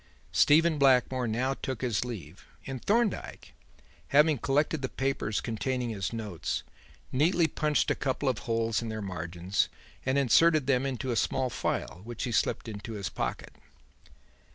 Stephen Blackmore now took his leave; and Thorndyke, having collected the papers containing his notes, neatly punched a couple of holes in their margins and inserted them into a small file, which he slipped into his pocket.